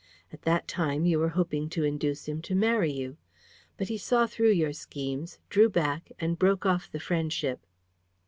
At that time, you were hoping to induce him to marry you; but he saw through your schemes, drew back and broke off the friendship."